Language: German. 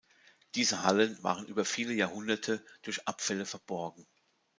Diese Hallen waren über viele Jahrhunderte durch Abfälle verborgen.